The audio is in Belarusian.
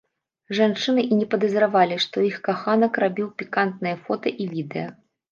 Жанчыны і не падазравалі, што іх каханак рабіў пікантныя фота і відэа.